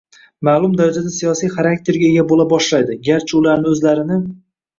ma’lum darajada siyosiy xarakterga ega bo‘la boshlaydi, garchi ular o‘zlarini